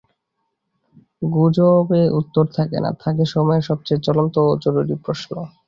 গুজবে উত্তর থাকে না, থাকে সময়ের সবচেয়ে জ্বলন্ত ও জরুরি প্রশ্ন।